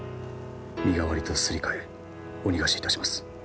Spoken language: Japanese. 身代わりとすり替えお逃がしいたします。